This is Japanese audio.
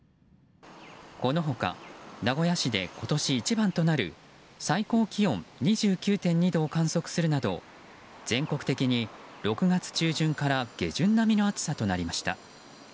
この他名古屋市で今年一番となる最高気温２９．２度を観測するなど全国的に６月中旬から下旬並みの暑さになりました。